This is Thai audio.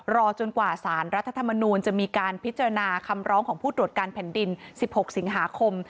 รอจนกว่าสารรัฐธรรมนูลจะมีการพิจารณาคำร้องของผู้ตรวจการแผ่นดิน๑๖สิงหาคม